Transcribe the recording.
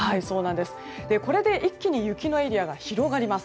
これで一気に雪のエリアが広がります。